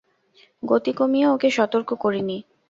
গতি কমিয়ে ওকে সতর্ক করিনি।